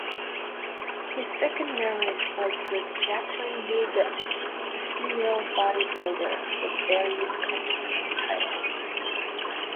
His second marriage was with Jacqueline Nubret, a female bodybuilder with various competition titles.